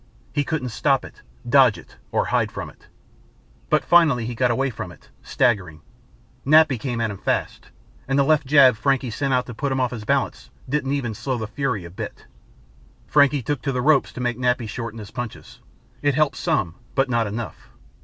He couldn't stop it, dodge it, or hide from it. But he finally got away from it staggering. Nappy came at him fast and the left jab Frankie sent out to put him off balance didn't even slow the fury a bit. Frankie took to the ropes to make Nappy shorten his punches. It helped some, but not enough.